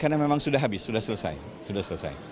karena memang sudah habis sudah selesai